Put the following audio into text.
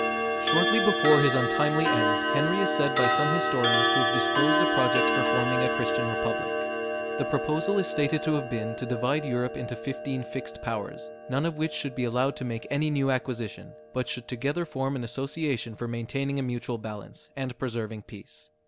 Shortly before his untimely end, Henry is said by some historians to have disclosed a project for forming a Christian republic. The proposal is stated to have been, to divide Europe into fifteen fixed powers, none of which should be allowed to make any new acquisition, but should together form an association for maintaining a mutual balance, and preserving peace.